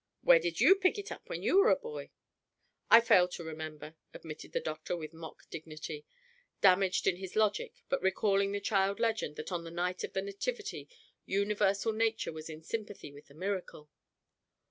"Where did you pick it up when you were a boy?" "I fail to remember," admitted the doctor with mock dignity, damaged in his logic but recalling the child legend that on the Night of the Nativity universal nature was in sympathy with the miracle.